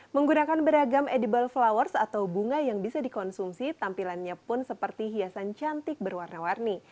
menggunakan beragam edible flowers atau bunga yang bisa dikonsumsi tampilannya pun seperti hiasan cantik berwarna warni